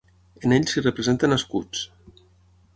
En ell s'hi representen escuts.